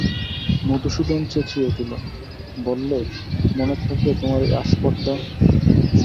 মধুসূদন চেঁচিয়ে উঠল, বললে, মনে থাকবে তোমার এই আস্পর্ধা।